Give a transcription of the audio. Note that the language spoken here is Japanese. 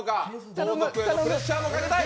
後続へのプレッシャーもかけたい。